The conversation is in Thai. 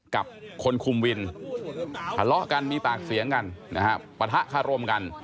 กับคนคุมวินทะเลาะกันมีปากเสียงกันนะฮะปะทะคารมกัน